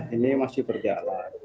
ini masih berjalan